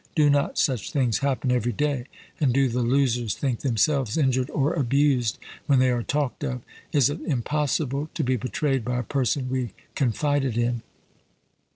Do not such things happen every day, and do the losers think themselves injured or abused when they are talked of? Is it impossible to be betrayed by a person we confided in?